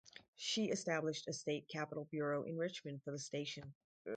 She established a State Capitol Bureau in Richmond for the station.